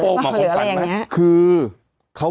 แต่หนูจะเอากับน้องเขามาแต่ว่า